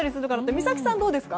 美沙希さんはどうですか？